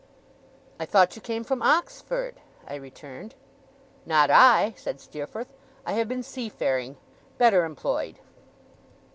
'I thought you came from Oxford?' I returned. 'Not I,' said Steerforth. 'I have been seafaring better employed.